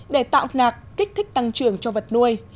để tạo nạc kích thích tăng trưởng cho vật nuôi